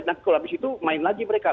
nah kalau habis itu main lagi mereka